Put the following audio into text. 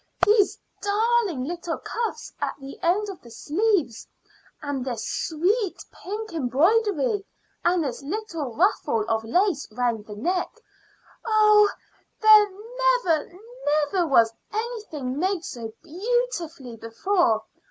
these darling little cuffs at the end of the sleeves, and this sweet pink embroidery and this little ruffle of lace round the neck. Oh! there never, never was anything made so beautifully before.